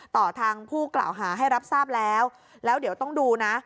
ต่อทางผู้กล่าวหาให้รับทราบแล้วแล้วเดี๋ยวต้องดูนะ